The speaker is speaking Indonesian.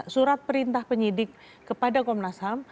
surat perintah penyidik kepada komnas ham